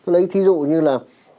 lấy ví dụ như là